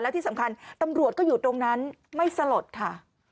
ที่สำคัญตำรวจก็อยู่ตรงนั้นไม่สลดค่ะ